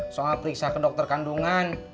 soal periksa ke dokter kandungan